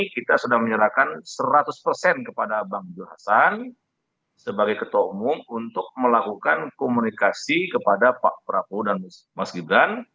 kita sudah menyerahkan seratus persen kepada bang zul hasan sebagai ketua umum untuk melakukan komunikasi kepada pak prabowo dan mas gibran